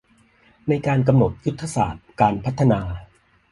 ในการกำหนดยุทธศาสตร์การพัฒนา